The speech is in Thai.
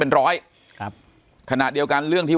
ปากกับภาคภูมิ